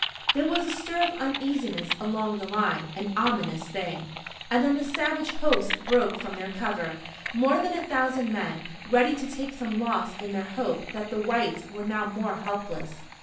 There was a stir of uneasiness along the line, an ominous thing. And then the savage hosts broke from their cover, more than a thousand men, ready to take some loss in their hope that the whites were now more helpless.